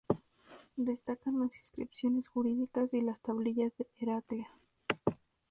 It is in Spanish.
Destacan las inscripciones jurídicas y las tablillas de Heraclea.